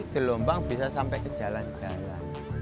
gelombang bisa sampai ke jalan jalan